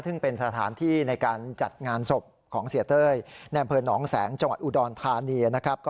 ซึ่งเป็นสถานที่ในการจัดงานศพของเสียเต้ยในอำเภอหนองแสงจังหวัดอุดรธานีนะครับ